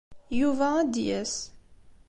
Yuba ad d-yas.